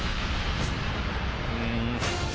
うん。